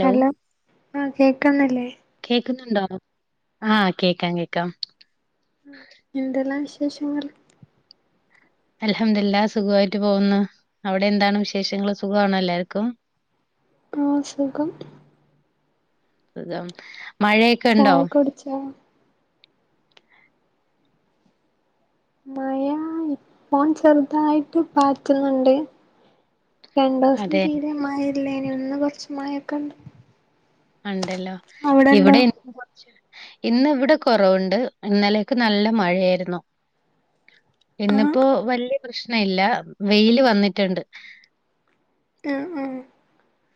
Hello ആ കേക്ണ്ല്ലേ ക്കുന്നുണ്ടോ ആ കേക്കാം കേക്കാം എന്തെല്ലാം വിശേ വിദേശങ്ങൾ അലഹമ്മദില്ല സുഖമായിട്ട് പോകുന്നു അവിടെ എന്താണ് വിശേഷങ്ങള് സുഖണോ എല്ലാർക്കും ആഹ ശഖം അത ചായ കുടിച്ച മയ ഇപ്പ ചെറുതായിട്ട് പാറ്റുന്നുണ്ട് രണ്ടു ദിവസം അതെ തീരെമായി ഇല്ല ഇനി ഒന്ന് കൊറച്ച് മഴൊക്കെ ഉണ്ട് ഉണ്ടല്ലോ ഇവിടെ ഇന്ന് ഇവിടെ കുറവുണ്ട് ഇന്നലെയക്ക് നല്ല മഴയായിരുന്നു ആഹ് എന്നിപ്പോ വലിയ പ്രശ്ന ല്ല വെയില് വന്നിട്ടുണ്ട് ആഹ ആഹ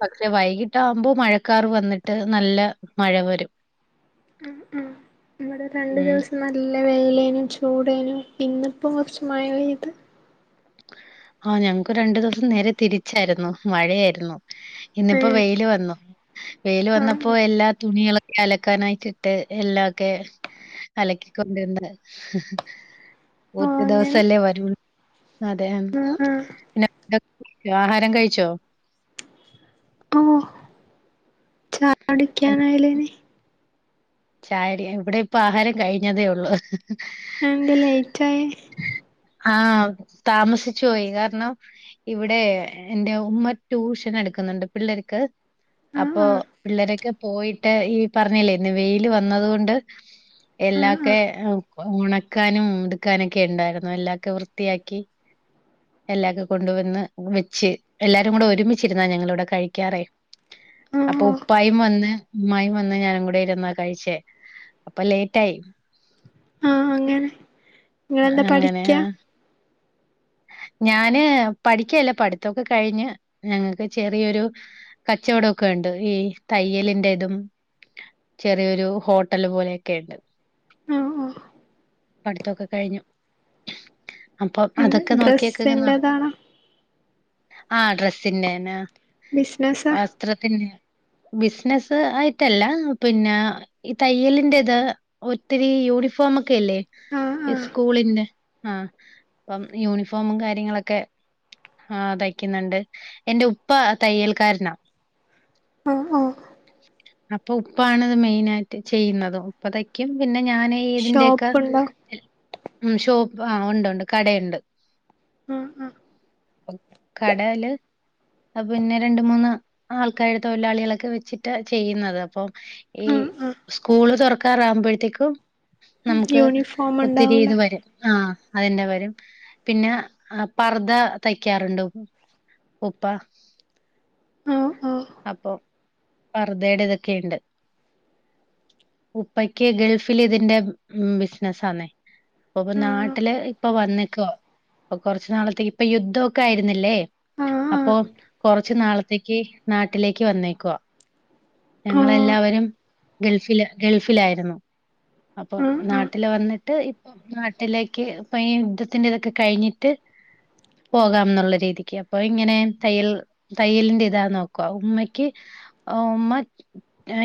പക്ഷെ വൈകിട്ട ആകുമ്പോ മഴക്കാർ വന്നിട്ട് നല്ല മഴ വരും ആ ആ ഇവിടെ രണ്ടു ഉം ദിവസം അല്ല വെയിലേനും ചൂടേനും ഇന്നിപ്പം കുറച്ച് മായള ഇത് ആഹ ഞങ്ങക്ക് രണ്ടു ദിവസം നേരെ തിരിച്ചായിരുന്നു മഴയായിരുന്നു ഇന്നിപ്പോ ഏഹ് വെയില് വന്നു വെയില് വന്നപ്പോ ആഹ് എല്ലാ തുണികളും അലക്കാനായിട്ടി ഇട്ട് എല്ലാം ഒക്കെ അലക്കിക്കൊണ്ടന്ന് ഓഹ് ഒറ്റ അങ്ങനെ ദിവസംല്ലേ വരൂ അതെ ആഹ് ആഹ് പിന്നെ ഇതൊക്കെ കോ ആഹാരം കഴിച്ചോ ഓ അടിക്കാനായലേന ചാരി ഇവിടെ ഇപ്പ ആഹാരം കഴിഞ്ഞതേ ഉള്ളു ആന്താ ലേറ്റയി ആഹ താമസിച്ചു പോോയി കാരണം ഇവിടെ എറെ ഉമ്മ ട്യൂഷൻ എടുക്കുന്നുണ്ട് പിള്ളേർക്ക് അപ്പൊ ആഹ് പിള്ളേരൊക്കെ പോയിട്ട് ഈ പറഞ്ഞില്ലേ ഇന്ന് വെയില് വന്നത് കൊണ്ട് ആഹ് ആഹ് എല്ലാക്കെ ആഹ് ഉണക്കാനുംതുക്കാനൊക്കെ ഉണ്ടായിരുന്നു എല്ലാക്കെ വൃത്തിയാക്കി എല്ലാക്കെ കൊണ്ട വന്ന് വെച്ച് എല്ലാരും കൂടെ ഒരുമിച്ചിരുന്നാ ഞങ്ങളിവിടെ കഴിക്കാറ ആഹ് അപ്പൊ ഓഹ് ഉപ്പായും വന്ന് ഉമ്മായും വന്ന് ഞാനും കൂടെ ഇരുന്നാ കഴിച്ചേ അപ്പൊ ലേറ്റ് ആയി ആഹ അങ്ങനെങ്ങ അങ്ങനെ പഠിക്കുക ഞാന് പഠിക്കല്ല പഠിത്തൊക്കെ കഴിഞ്ഞ് ഞങ്ങൾക്ക് ചെറിയൊരു കച്ചവടൊക്കെ ഉണ്ട് ഈ തയ്യലിറതും ചെറിയൊരു ഹോട്ടല് പോലെയൊക്കെ ഉണ്ട് ആഹ് ഓഹ് പഠിത്തൊക്കെ കഴിഞ്ഞു അപ്പൊ അത് ഡ്രെസ്സിൻ്റതാണോ ആഹ് ഡ്രെസ്സിന്റേനാ ആഹ് ബിസിനസാ വസ്ത്രത്തിന് ബിസ്നസ് ആയിറ്റല്ല പിന്നെ ഈ തയ്യലിന്റി ത് ഒത്തിരി യൂണിഫോമ ക്കെല്ലെ ആഹ് ഈ ആഹ് സ്കൂളിന്റെ ആഹ് അപ്പം യൂണിഫോമും കാര്യങ്ങളൊക്കെ ആഹ് തൈക്കുന്നുണ്ട് എന്റെ ഉപ്പ തയ്യൽക്കാരനാ ഒ ഒ അപ്പൊ ഉപ്പആണത് മെയിൻ ആയിറ്റ് ചെയ്യുന്നതും ഉപ്പതൈക്യും പിന്നെ ഞാൻ ഇതിന്റെക്കാ ഷോപ്പുണ്ടോ എ മ് ഷോപ്പ് ആ ഒണ്ട് ഒണ്ട് ആ കടയൊണ്ട് ആഹ് ആഹ് കടെൽ അ പിന്നെ രണ്ട് മൂന്ന് ആൾക്കാര് തൊയിലാളികളൊക്കെ വെച്ചിട്ട് ചെയ്യുന്നത് അപ്പം ഈ ആഹ് ആഹ് സ്കൂള് തോറക്കാർ ആ മ്പഴ്തെക്കും നമുക്ക് യൂണിഫോം ഒത്തിരി ഇത് ഉണ്ടാവൂലേ വരും ആ അതിന്റെ വരും പിന്നെ പർദ്ദ തൈക്കാറുണ്ട് ഉപ്പ ആഹ് ഓഹ് അപ്പൊ പർദ്ദടെ ഇതൊക്കെഇണ്ട് ഉപ്പെക്ക് ഗൾഫിൽ ഇതിന്റെ മ് ബിസിനസ് ആന്നേ അപ്പൊ ആഹ് നാട്ടില് ഇപ്പൊ വന്നേക്കുവ ഇപ്പം കുറച്ച് നാളത്തേക്ക് ഇപ്പൊ യുദ്ധൊക്കെ ആയിര്ന്നില്ലേ ആഹ് അപ്പൊ ആഹ് കുറച്ച് നാളത്തേക്ക് നാട്ടിലേക്ക് വന്നേക്കുവ ഓഹ് ഞങ്ങളെല്ലാവരും ഗൾഫിൽ ഗൾഫിലായിര്ന്നു അപ്പൊ ആഹ് ആഹ് നാട്ടിൽ വന്നിട്ട് ഇപ്പൊ നാട്ടിലേക്ക് ഇപ്പൊ ഈ യുദ്ധത്തിന്റെ ഇതക്കെ കഴിഞ്ഞിട്ട് പോകാംന്നുള്ള രീതിക്ക് അപ്പൊ ഇങ്ങനെ തയ്യൽ തയ്യലിന്റെ ഇതാ നോക്കവു ഉമ്മക്ക് ആഹ് ഉമ്മ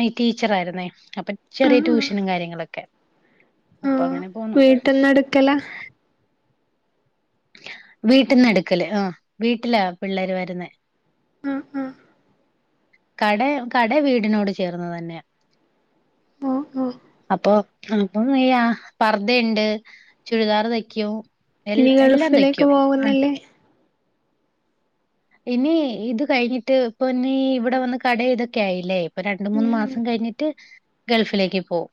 ഏ ടീച്ചർആരുന്നെ അപ്പൊ ആഹ് ചെറിയ ആഹ് ട്യൂഷനും കാര്യങ്ങളൊക്കെ അപ്പ ആഹ് അങ്ങനെ പോന്നു വീട്ട്ന്ന് എടുക്കലാ വീട്ടിന്ന് എടുക്കല് ആ വീട്ടിലാ പിള്ളേര് വരുന്നേ ആഹ് ആഹ് കട കട വീടിനോട് ചേർന്ന് തന്നെയ ഓഹ് ഓഹ് അപ്പൊ അപ്പൊ ഈ ആ പർദ്ദഇണ്ട് ചുരിദാർ തൈക്കും ഇനി ഗൾഫിലേക്ക് പോകുന്നില്ലേ ഇനി ഇത് കഴിഞ്ഞിട്ട് ഇപ്പൊ ഇനി ഇവിടെ വന്ന് കട ഇതൊക്കെ ആയില്ലേ ഇപ്പൊ രണ്ട് മൂന്ന് ഉം മാസം കഴിഞ്ഞിട്ട് ഗൾഫിലേക്ക് പോം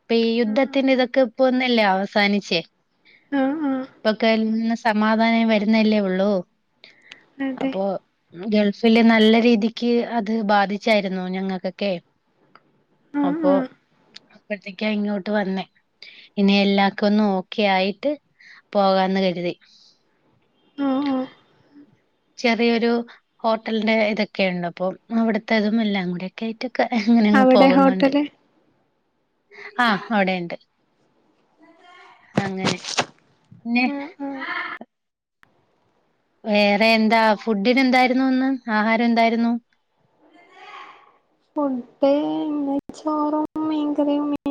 ഇപ്പ ഈ ഉം ആഹ് യുദ്ധത്തിന് ഇതൊക്കെ ഇപ്പൊന്നല്ലേ അവസാനിച്ചേ ആഹ് ആഹ് ആഹ് ഇപ്പൊക്കെന്ന് സമാധാനം വരുന്നല്ലേ ഉള്ളൂ അതെ അപ്പൊ ഗൾഫിൽ നല്ല രീതിക്ക് അത് ബാധിച്ചാര്ന്നു ഞങ്ങക്കൊക്കെ ആഹ് അപ്പൊ ആഹ് അപ്പോഴ്ത്തേക്കാ ഇങ്ങോട്ട് വന്നേ ഇനി എല്ലാക്കെ ഒന്ന് ഓക്കെ ആയിട്ട് പോകാന്ന് കരുതി ആഹ് ആഹ് ചെറിയൊരു ഹോട്ടലിന്റെ ഇതൊക്കെഉണ്ട് അപ്പൊ അവിടുത്തെതും എല്ലാം കൂടെഒക്കെ ആയിട്ട് ക്കെ അങ്ങനെങ്ങ് അവിടെ പോകുന്നുണ്ട് ഹോട്ടല് ആഹ് അവിടെണ്ട് അങ്ങനെ പിന്നെ ആഹ് ആഹ് വേറെ എന്താ ഫുഡ്‌ന് എന്തായിര്ന്നു ഇന്ന് ആഹാരം എന്തായിര്ന്നു മുട്ടേം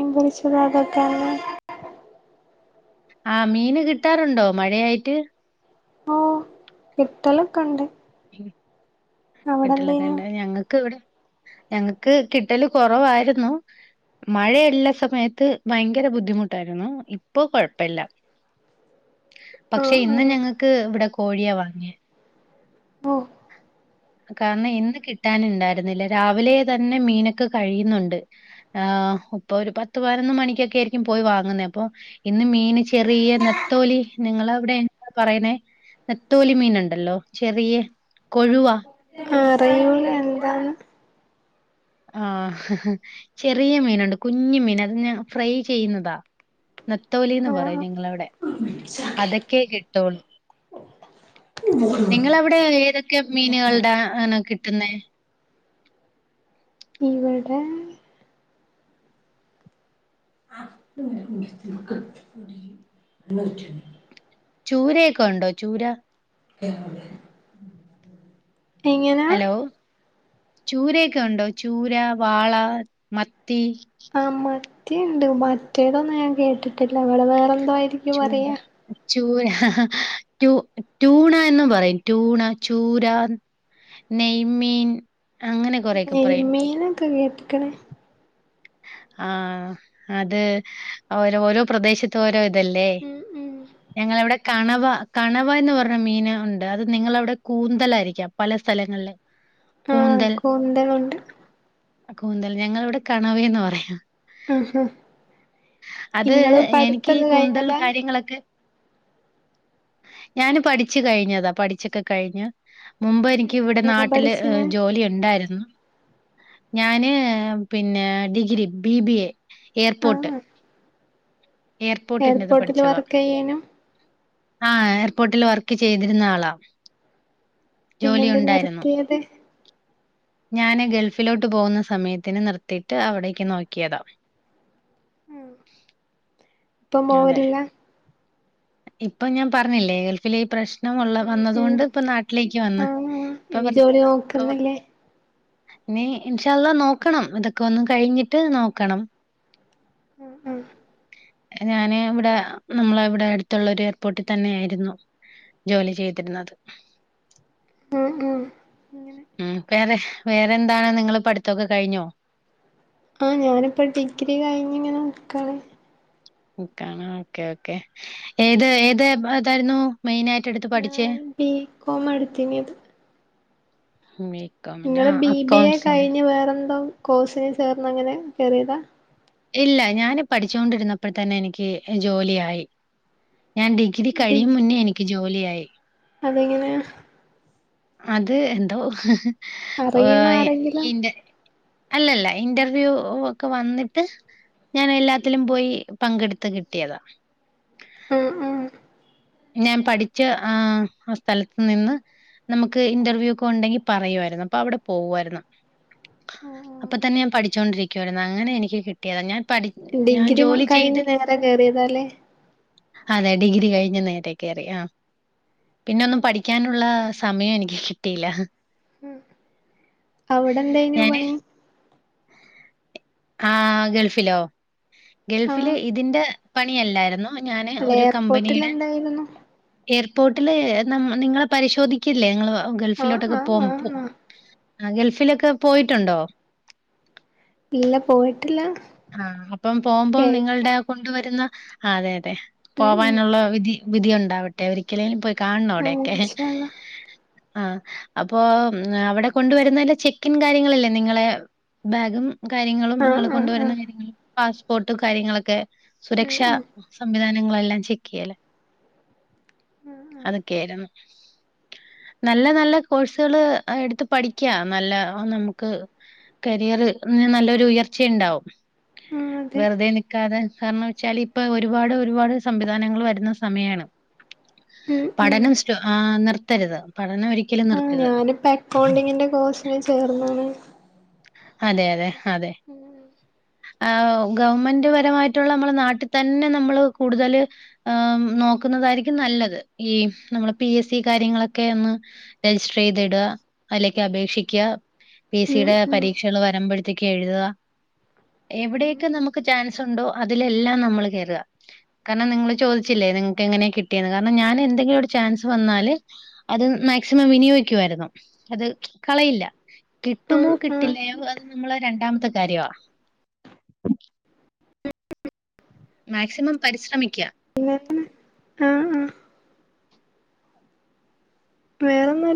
[unintelligible] ആ മീന് കിട്ടാറുണ്ടോ മഴയായിട്ട് കിട്ടല ഒണ്ട് കിട്ടലൊക്കെണ്ട് ഞങ്ങക്ക് ഇവിടെ ഞങ്ങക്ക് കിട്ടൽ കുറവായിര്ന്നു മഴയ്ള്ള സമയത്ത് ഭയങ്കര ബുദ്ധിമുട്ടായിര്ന്നു ഇപ്പൊ കൊഴപ്പഇല്ല പക്ഷെ ആഹ് ഇന്ന് ആഹ് ഞങ്ങൾക്ക് ഇവിടെ കോഴിയാ വാങ്ങിയെ ഓഹ് കാരണം ഇന്ന് കിട്ടാൻ ഉണ്ടായിരുന്നില്ല രാവിലെ തന്നെ മീനൊക്കെ കഴിയുന്നുണ്ട് ആ ഇപ്പൊ ഒരു പത്ത് പതിനൊന്ന് മണിക്കൊക്കെ ആയിരിക്കും പോയി വാങ്ങുന്നത് അപ്പൊ ഇന്ന് മീൻ ചെറിയ നെത്തോലി നിങ്ങളവിടെ പറയണേ നെത്തോലി മീന് ഉണ്ട് ഹലോ കൊഴുവ ആഹ് അറിയു ല്ല എന്താണ് ആഹ് ചെറിയ മീനുണ്ട് കുഞ്ഞു മീൻ അത് ഞാൻ ഫ്രൈ ചെയ്യുന്നതാ നത്തോലിന്ന് പറയും ആഹ് ഞങ്ങളവിടെ അതൊക്കെ [unintelligible] നിങ്ങൾ അവിടെ ഏതൊക്കെ മീനുകളുടെ ആണ് കിട്ട കിട്ടുന്നെ ഇവിടെ [unintelligible] ചൂരയൊക്കെ ഉണ്ടോ ചൂര [unintelligible] എങ്ങനാ ഹലോ ചൂരയൊക്കെ ഉണ്ടോ ചൂര വാള മത്തി ആഹ് അമ്മേ മത്തിയുണ്ട് മറ്റേതൊന്നും ഞാൻ കേട്ടിട്ടില്ല ഇവിടെ വേറെ എന്തായിരിക്കും ചൂര പറയാ ചൂര ഹാ ഹാ ടു ടൂണ എന്നും പറയും ടൂണ ചൂര നെയ്മീൻ അങ്ങനെ കൊറെയൊക്കെ പറയും. നെയ്മീനും [unintelligible] ആഹ് അത് ഓരോരോ പ്രദേശത്ത് ഓരോ ല്ലേ ഉം ഉം ഞങ്ങളവിടെ കണവ അഥവാ കണവ എന്ന് പറഞ്ഞ മീൻ ഉണ്ട് അത് നിങ്ങളവിടെ കൂന്തൽ ആയിരിക്കാം പല സ്ഥലങ്ങളില് ആഹ് കൂന്തൽ കൊണ്ട് കൊണ്ട് കൂന്തൽ ഞങ്ങളവിടെ കണവേന്നാ പറയും [unintelligible] ഹാ ഹാ അത് എനിക്ക് ഈ കൂന്തൽ കഴിഞ്ഞതാ കാര്യങ്ങളൊക്കെ ഞാന് പഠിച്ചു കഴിഞ്ഞതാ പഠിച്ചൊക്കെ കഴിഞ്ഞു മുമ്പ് എനിക്ക് ഇവിടെ എന്തിനാ നാട്ടില് പഠിച്ചിനെ ജോലി ഉണ്ടായിരുന്നു ഞാന് പിന്നെ degree B B A airport ആഹ് എയർപോർട്ടില് വർക്ക് ചെയ്യാനും ആ എയർപോർട്ടിൽ വർക്ക് ചെയ്തിരുന്ന ആളാ പിന്നെ എന്തേ ജോലിയുണ്ടായിരുന്നു. നിർത്തിയത് ഞാന് ഗള്ഫിലോട്ട് പോകുന്ന സമയത്തിന് നിർത്തിയിട്ട് അവിടേക്ക് നോക്കിയതാ ഉ ഇപ്പം അതെ. പോവലില്ല ഇപ്പൊ ഞാൻ പറഞ്ഞില്ലേ ഗൾഫില ഈ പ്രശ്ന [unintelligible] ഇപ്പൊ ഇനി ജോലി നോക്കുന്നില്ലേ നീ ഇൻഷ അല്ല നോക്കണം ഇതൊക്കെ ഒന്നും കഴിഞ്ഞിട്ട് നോക്കണം ഉം ഉം ഞാന് ഇവിടെ നമ്മള ഇവിടടു അടുത്തുള്ള ഒരു എയർപോർട്ടിൽ തന്നെയായിരുന്നു ജോലി ചെയ്തിരുന്നത് ഉം ഉം ഉം വേറെ വേറെന്താണ് നിങ്ങൾ പഠിത്തൊക്കെ കഴിഞ്ഞോ ആഹ് ഞാനിപ്പം ഡിഗ്രി കഴിഞ്ഞിങ്ങനെ നിക്കാണ് നിക്കാണ് ഓക്കേ ഓക്കെ ഏത് ഏത് വിഭ് അതായിരുന്നു ഞൻ ബികോം അടുത്തിനേത് മ മ നിങ്ങള് ബി ബി എ കഴിഞ്ഞ് വേറെന്തോ കോസിനി ചേർന്ന് അങ്ങനെ കയറിയതാ ഇല്ല ഞാന് പഠിച്ചോണ്ടിരുന്നപ്പോൾ തന്നെ എനിക്ക് ജോലിയായി ഞാൻ ഡിഗ്രി കഴിയും മുന്നേ എനിക്ക് ജോലിയായി അതെങ്ങനെ അത് എന്തോ അറിയ്ണ ഏഹ് ആരെങ്കിലും ഇന്റെ അല്ലല്ല ഇന്റർവ്യൂ ഒക്കെ വന്നിട്ട് ഞാൻ എല്ലാത്തിലും പോയി പങ്കെടുത്ത് കിട്ടിയതാ ഉം ഉം ഞാൻ പഠിച്ച ആ സ്ഥലത്തു നിന്ന് നമുക്ക് ഇന്റർവ്യൂ ഒക്കെ ഉണ്ടെങ്കി പറയുമായിരുന്നു അപ്പൊ അവിടെ പോവ്വായിരുന്നു അപ്പ തന്നെ ഞാൻ പഠിച്ചോണ്ടിരിക്കുവായിരുന്നു അങ്ങനെ എനിക്ക് കിട്ടിയതാ ഞാൻ പഠി ഞാൻ ഡിഗ്രി ജോലി ചെയ്ത് കഴിഞ്ഞ് നേരെ കേറിയതാല്ലേ അതെ ഡിഗ്രി കഴിഞ്ഞ് നേരെ കേറി ആ പിന്ന ഒന്നും പഠിക്കാനുള്ള സമയം എനിക്ക് കിട്ടില്ല അവിടെ എന്തായിനു പണി ങാ ഗൾഫിലോ ഗൾഫില് ആഹ് ഇതിന്റെ പണിയല്ലാരുന്നു അല്ല എയർപോർട്ടിൽ എന്തായിരുന്നു എയർപോർട്ടില് നിങ്ങ് നിങ്ങളെ പരിശോധിക്കില്ലേ നി ങ്ങള് ആഹ് ഗൾഫിലോട്ടൊക്കെ ആഹ് ആഹ് പോവുമ്പോ ആഹ് ആ ഗൾഫിലൊക്കെ പോയിട്ടുണ്ടോ ഇല്ല പോയിട്ടില്ല ആ അപ്പം പോവുമ്പം കേക്ക നിങ്ങൾടെ കൊണ്ടുവരുന്ന അ അതെ [unintelligible] ഉം ഉം പോവാനുള്ള വിധി വിധി ഉണ്ടാവട്ടെ ഒരിക്കലേലും പോ ആഹ് കാണണംഅവിടെക്കെ ഇൻഷാ അള്ളാ ആ അപ്പൊ അവിടെ കൊണ്ടുവരുന്നെൻ്റെ ചെക്കിൻ കാര്യങ്ങളില്ലേ നിങ്ങളെ ബാഗും കാര്യങ്ങളും ആഹ് നിങ്ങള് ആഹ് കൊണ്ടുവരുന്ന ആഹ് കാര്യങ്ങളും പാസ്പോർട്ട് കാര്യങ്ങളൊക്കെ ഉം സുരക്ഷാ ഉം സംവിധാനം നിങ്ങളെല്ലാം ചെക്ക് ചെയ്യല്ലേ അതൊക്കെയായിരുന്നു. നല്ല നല്ല കോഴ്സുകള് എടുത്ത് പഠിക്ക നല്ല നമുക്ക് കരിയറ് നല്ലൊരു ഉയർച്ച ഇണ്ടാവും ആഹ് അതെ വെറുതെ നിക്കാതെ കാരണം വെച്ചാല് ഇപ്പൊ ഒരുപാട് ഒരുപാട് സംവിധാനങ്ങൾ വരുന്ന സമയാണ് ഉം പഠനം സ്‌റ്റോ ആ നിർ ത്തരുത് ആ ഞാനിപ്പ അക്കൗണ്ടിങ്ങിന്റെ കോഴ്സിന് ചേർന്ന്ണ് അതെ അതെ അതെ ആ ഗവൺമെന്റ് പരമായിട്ടുള്ള നമ്മുടെ നാട്ടിൽ തന്നെ നമ്മള് കൂടുതല് അ് നോക്കുന്നതായിരിക്കും നല്ലത് ഈ നമ്മളെ പി എസ് സി കാര്യങ്ങളൊക്കെ ഒന്ന് രജിസ്റ്റർ ചെയ്തിട അതിലേക്ക് അപേക്ഷിക പി എസ് ഉം സിടെ ഉം പരീക്ഷകള് വരുമ്പഴത്തേക്ക് എഴ്താ ഉം എവിടെയൊക്കെ നമുക്ക് ചാൻ സുണ്ടോ അതിലെല്ലാം നമ്മള് കേറ കാരണം നിങ്ങള് ചോദിച്ചില്ലേ നിങ്ങൾക്ക് എങ്ങനെ കിട്ടിയെന്ന് കാരണം ഞാൻ എന്തെങ്കിലൊര് ചാൻസ് വന്നാല് അത് മാക്സിമം വിനിയോഗിക്കുവായിരുന്നു അത് കളയില്ല കിട്ടുമോ ആഹ് ആഹ് കിട്ടില്ലയോ അത് നമ്മളെ രണ്ടാമത്തെ കാര്യാ മാക്സിമം പരിശ്രമിക്കാം പിന്നെ പിന്നെ ആ ആ വേറെന്നു